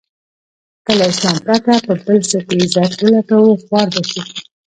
که له اسلام پرته په بل څه کې عزت و لټوو خوار به شو.